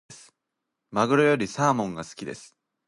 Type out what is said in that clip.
マグロよりサーモンが好きです。